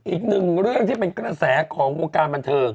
อีกหนึ่งเรื่องที่เป็นกระแสของวงการบันเทิง